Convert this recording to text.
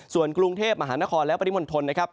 ส่วนกรุงเทพมหานครและปริมณฑลนะครับ